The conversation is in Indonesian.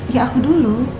ya aku dulu